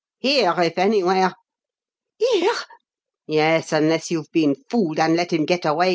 "Here, if anywhere!" "Here?" "Yes unless you've been fooled, and let him get away.